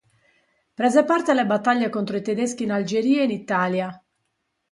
Prese parte alle battaglie contro i tedeschi in Algeria e in Italia.